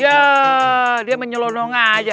ya dia menyelonong saja